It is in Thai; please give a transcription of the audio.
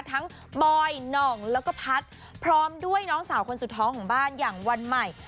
บอยหน่องแล้วก็พัดพร้อมด้วยน้องสาวคนสุดท้องของบ้านอย่างวันใหม่